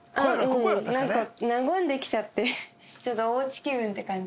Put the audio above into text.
なんか和んできちゃってちょっとおうち気分って感じ。